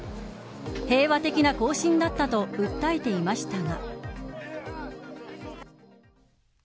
平和的な行進だったと訴えていましたが。